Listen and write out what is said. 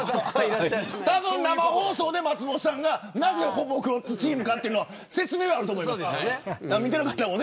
たぶん生放送で松本さんがなぜ、ほぼごっつチームかというのは説明あると思います。